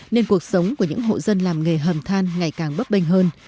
nên cuộc sống của những hộ dân làm nghề hầm than ngày càng bấp bênh hơn